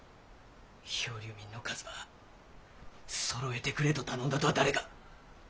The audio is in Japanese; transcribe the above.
漂流民の数ばそろえてくれと頼んだとは誰か。